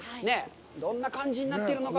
どんな感じになってるのか。